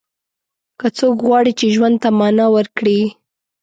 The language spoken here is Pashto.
که څوک غواړي چې ژوند ته معنا ورکړي.